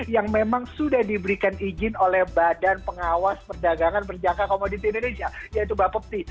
yang memang sudah diberikan izin oleh badan pengawas perdagangan berjangka komoditi indonesia yaitu bapepti